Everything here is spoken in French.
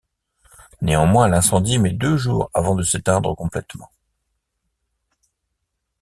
Néanmoins, l'incendie met deux jours avant de s'éteindre complètement.